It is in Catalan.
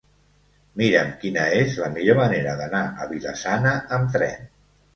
Mira'm quina és la millor manera d'anar a Vila-sana amb tren.